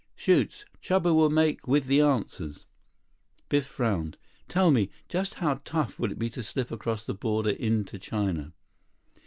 "Shoots. Chuba will make with the answers." Biff frowned. "Tell me, just how tough would it be to slip across the border into China?"